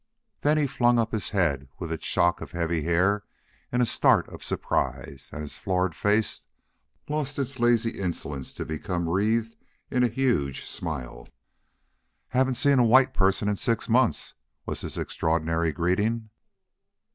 Then he flung up his head, with its shock of heavy hair, in a start of surprise, and his florid face lost its lazy indolence to become wreathed in a huge smile. "Haven't seen a white person in six months!" was his extraordinary greeting.